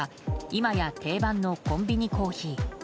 今や定番のコンビニコーヒー。